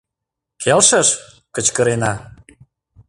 — Келшыш! — кычкырена.